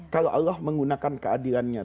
kalau allah menggunakan keadilannya